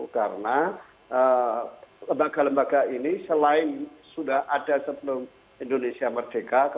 karena lembaga lembaga ini selain sudah ada sebelum indonesia merdeka